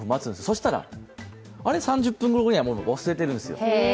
そしたら、あれ、３０分後にはもう忘れているんですよ。